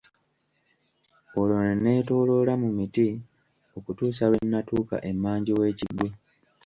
Olwo ne neetooloola mu miti okutuusa lwe natuuka emmanju w'ekigo.